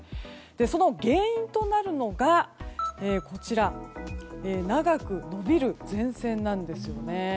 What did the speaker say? その原因となるのが長く延びる前線なんですね。